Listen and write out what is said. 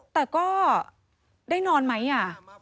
แต่ก็ได้นอนไหมอ่ะ